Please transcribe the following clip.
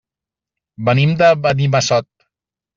Venim de Benimassot.